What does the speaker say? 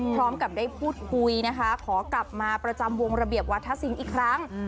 พร้อมกับได้พูดคุยนะคะขอกลับมาประจำวงระเบียบวัฒนศิลป์อีกครั้ง